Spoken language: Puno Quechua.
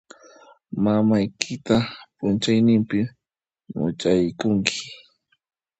Mamaykita p'unchaynimpi much'aykunki.